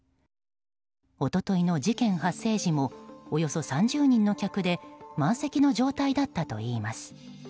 一昨日の事件発生時もおよそ３０人の客で満席の状態だったといいます。